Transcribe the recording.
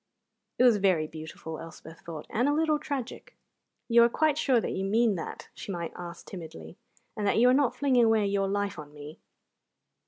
It was very beautiful, Elspeth thought, and a little tragic. "You are quite sure that you mean that," she might ask timidly, "and that you are not flinging away your life on me?"